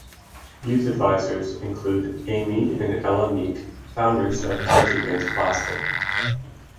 Youth Advisors include Amy and Ella Meek founders of Kids Against Plastic.